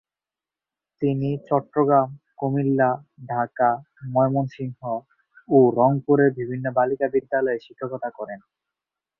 তিনি চট্টগ্রাম, কুমিল্লা, ঢাকা, ময়মনসিংহ ও রংপুরের বিভিন্ন বালিকা বিদ্যালয়ে শিক্ষকতা করেন।